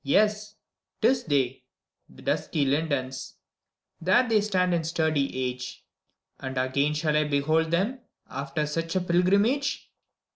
YES! 't is they, the dusky lindens; There they stand in sturdy age: And again shall I behold them, After such a pilgrimage?